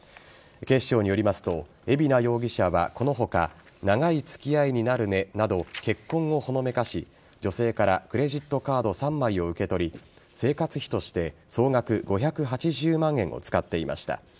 警視庁によりますと海老名容疑者はこの他長い付き合いになるねなど結婚をほのめかし女性からクレジットカード３枚を受け取り生活費として総額５８０万円を使っていました。